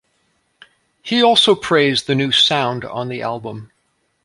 He also praised the new sound on the album.